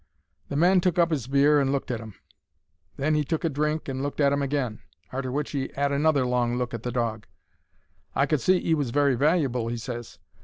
The man took up 'is beer and looked at 'em; then 'e took a drink and looked at 'em again. Arter which he 'ad another look at the dog. "I could see 'e was very valuable," he ses.